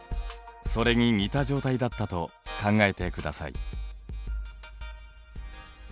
それに似た状態だったと考えてください。